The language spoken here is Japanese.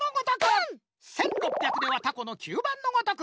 １，６００ではタコの吸盤のごとく！